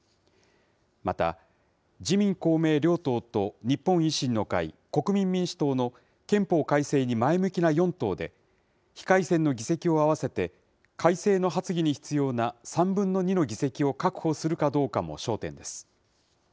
また、自民、公明両党と日本維新の会、国民民主党の憲法改正に前向きな４党で、非改選の議席を合わせて、改正の発議に必要な３分の２の議席を確保するかどうかも焦点です。